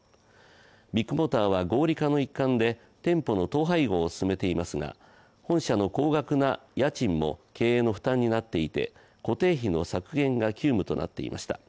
ビッグモーターは合理化の一環で本社の統廃合を進めていますが本社の高額な家賃も経営の負担になっていて固定費の削減が急務となっていました。